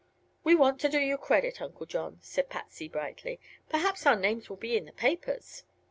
"We want to do you credit, Uncle John," said Patsy, brightly. "Perhaps our names will be in the papers."